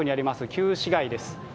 旧市街です。